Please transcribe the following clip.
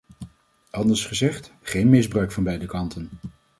Anders gezegd: geen misbruik van beide kanten.